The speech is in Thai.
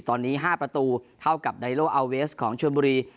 ตอนนี้๕ประตูเท่ากับไดโลอาเวสของชวนบุรี